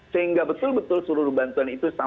sehingga betul betul seluruh bantuan itu sampai di dalam